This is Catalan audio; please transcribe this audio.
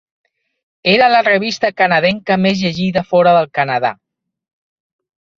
Era la revista canadenca més llegida fora del Canadà.